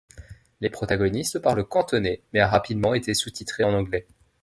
Les protagonistes parlent cantonais, mais a rapidement été sous-titrée en anglais.